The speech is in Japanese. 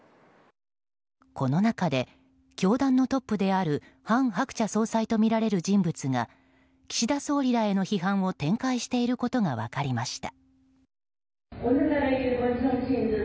この中で、教団のトップである韓鶴子総裁とみられる人物が岸田総理らへの批判を展開していることが分かりました。